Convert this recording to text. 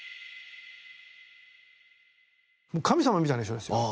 神様みたいな人ですよ。